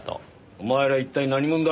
お前ら一体何者だ？